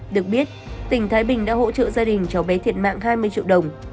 được biết tỉnh thái bình đã hỗ trợ gia đình cháu bé thiệt mạng hai mươi triệu đồng